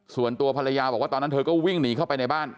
ส่วนตัวภรรยาบอกว่าตอนนั้นเธอก็วิ่งหนีเข้าไปในบ้าน